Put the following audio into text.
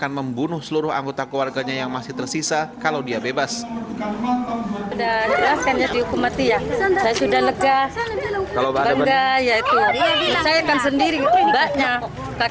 atau pembunuhan berencana dan melakukan kekerasan terhadap anak yang menyatakan buka berat